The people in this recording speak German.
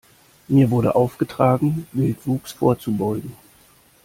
Mir wurde aufgetragen, Wildwuchs vorzubeugen.